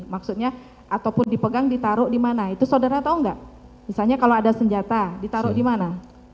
maksudnya ataupun dipegang ditaruh di mana itu saudara tahu nggak misalnya kalau ada senjata ditaruh di mana